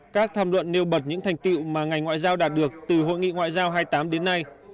các tham luận nêu bật những thành tiệu mà ngành ngoại giao đạt được từ hội nghị ngoại giao hai mươi tám đến nay